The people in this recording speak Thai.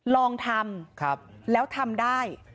ลองทำแล้วทำได้